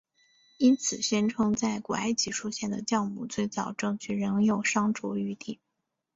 因此宣称在古埃及出现的酵母最早证据仍有商酌余地。